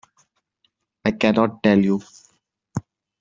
I cannot tell you.